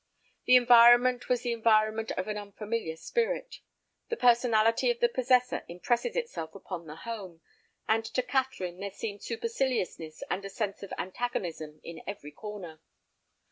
The environment was the environment of an unfamiliar spirit. The personality of the possessor impresses itself upon the home, and to Catherine there seemed superciliousness and a sense of antagonism in every corner.